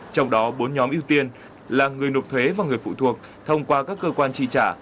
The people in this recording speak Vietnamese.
trong đó bốn nhóm ưu tiên là người nộp thuế và người phụ thuộc thông qua các cơ quan tri trả